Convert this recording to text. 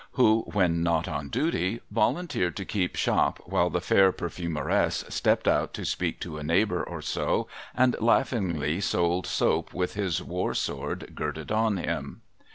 who, when not on duty, volunteered to keep shop while the fair Per fumeress stepped out to speak to a neighbour or so, and laughingly sold soap with his war sword girded on him